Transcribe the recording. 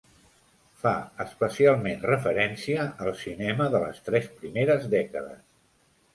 Fa especialment referència al cinema de les tres primeres dècades.